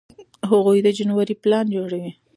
هغوی د جنورۍ پلان جوړوي.